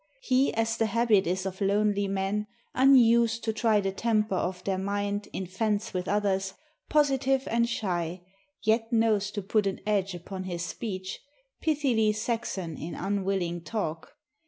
He, as the habit is of lonely men, Unused to try the temper of their mind In fence with others, positive and shy, Yet knows to put an edge upon his speech, Pithily Saxon in unwilling talk.